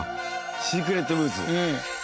シークレットブーツ。